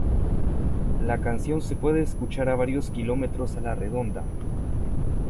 La canción se puede escuchar a varios kilómetros a la redonda.